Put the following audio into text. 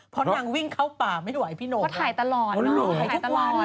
พอนางวิ่งเข้าป่าไม่ไหวพี่ยไดรก็ถ่ายตลอด